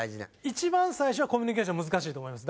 一番最初はコミュニケーション難しいと思います。